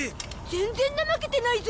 全然怠けてないゾ。